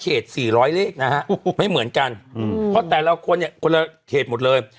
๔๐๐เลขนะฮะไม่เหมือนกันเพราะแต่ละคนเนี่ยคนละเขตหมดเลย